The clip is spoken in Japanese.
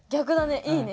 いいね。